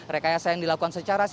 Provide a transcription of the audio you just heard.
rekayasa yang dilakukan secara sistema